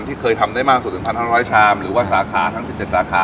ที่เคยทำได้มากสุดหนึ่งพันห้าร้อยชามหรือว่าสาขาทั้งสิบเจ็ดสาขา